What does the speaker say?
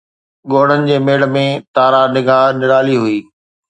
ڳوڙهن جي ميڙ ۾، تارا نگاه نرالي هئي